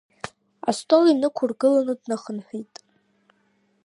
Астол инықәыргыланы днахынҳәит.